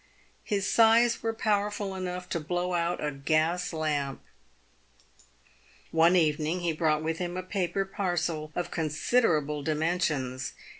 His sighs were powerful enough to blow out a gas lamp. One evening, he brought with him a paper parcel of considerable dimensions.